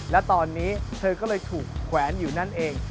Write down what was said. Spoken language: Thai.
และตอนนี้เธอก็เลยถูกแขวนอยู่นั่นเอง